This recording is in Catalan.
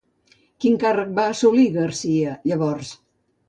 Quin càrrec va assolir García llavors?